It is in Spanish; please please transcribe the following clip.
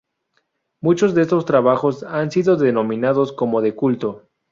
Muchos de estos trabajos han sido denominados como "de culto".